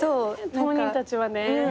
当人たちはね。